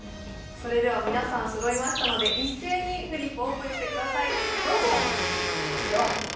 それでは皆さんそろいましたので一斉にフリップをオープンしてくださいどうぞ！